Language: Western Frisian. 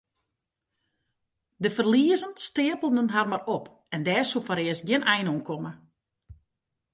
De ferliezen steapelen har mar op en dêr soe foarearst gjin ein oan komme.